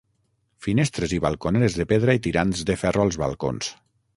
Finestres i balconeres de pedra i tirants de ferro als balcons.